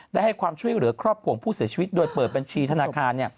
ได้ให้ความช่วยเหลือครอบครัวของผู้เสียชีวิตโดยเปิดบัญชีธนาคาร